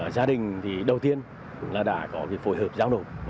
gia đình đầu tiên cũng đã có phối hợp giao nộp